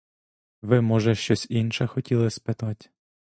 Ви, може, щось інше хотіли спитать.